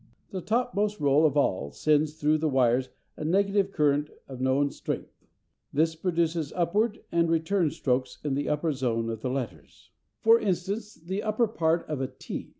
The topmost row of all sends through the wires a negative current of known strength; this produces upward and return strokes in the upper zone of the letters: for instance, the upper part of a t.